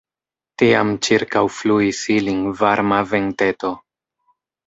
Tiam ĉirkaŭfluis ilin varma venteto.